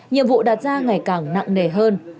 nhiệm vụ đặt ra ngày càng nặng nề hơn